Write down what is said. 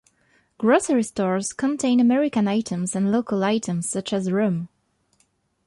Grocery stores contain American items and local items such as rum.